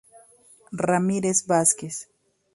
Ramírez Vázquez.